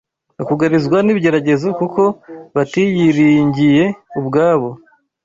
bakugarizwa n’ibigeragezo kuko batiyiringiye ubwabo